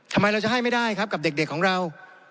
ทำไมเราจะให้ไม่ได้ครับกับเด็กของเรา